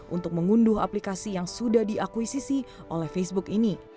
untuk mengunduh aplikasi yang sudah diakuisisi oleh facebook ini